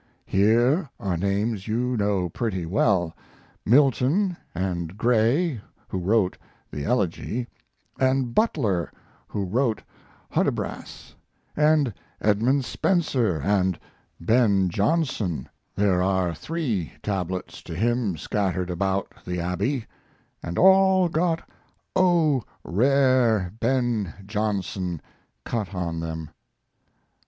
Here are names you know pretty well Milton, and Gray who wrote the Elegy, and Butler who wrote Hudibras; and Edmund Spenser, and Ben Jonson there are three tablets to him scattered about the Abbey, and all got 'O, Rare Ben Jonson' cut on them.